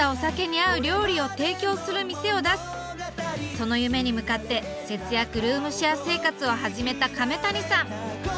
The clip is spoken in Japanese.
その夢に向かって節約ルームシェア生活を始めた亀谷さん。